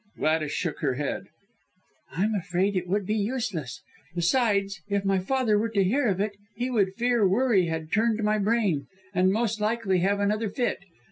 Gladys shook her head. "I'm afraid it would be useless. Besides, if my father were to hear of it, he would fear worry had turned my brain, and most likely have another fit.